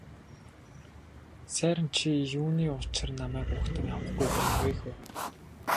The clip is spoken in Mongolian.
Сайран чи юуны учир намайг угтан авахгүй байна вэ хө.